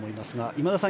今田さん